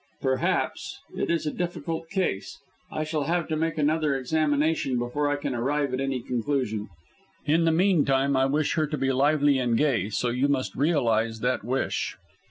"Perhaps! It is a difficult case. I shall have to make another examination before I can arrive at any conclusion. In the meantime, I wish her to be lively and gay; so you must realise that wish."